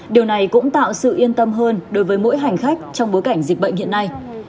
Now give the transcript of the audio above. điều này cũng tạo sự yên tâm hơn đối với mỗi hành khách trong bối cảnh dịch bệnh hiện nay